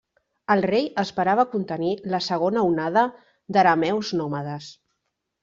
El rei esperava contenir la segona onada d'arameus nòmades.